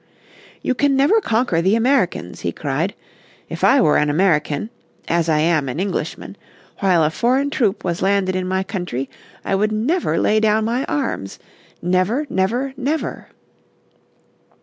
"You can never conquer the Americans," he cried. "If I were an American, as I am an Englishman, while a foreign troop was landed in my country I would never lay down my arms, never, never, never!"